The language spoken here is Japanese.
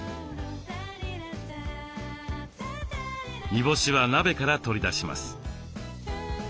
煮干しは鍋から取り出します。